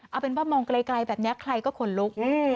เอาเป็นว่ามองไกลแบบนี้ใครก็ขนลุก